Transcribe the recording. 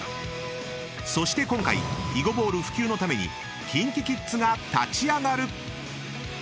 ［そして今回囲碁ボール普及のためにＫｉｎＫｉＫｉｄｓが立ち上がる！］